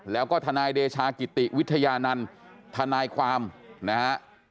แล้วก็ทนายเดชากิติวิทยานันต์ทนายความนะฮะ